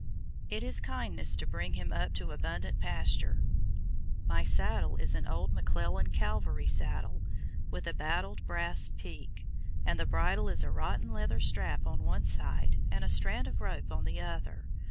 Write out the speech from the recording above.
It is kindness to bring him up to abundant pasture. My saddle is an old McLellan cavalry saddle, with a battered brass peak, and the bridle is a rotten leather strap on one side and a strand of rope on the other.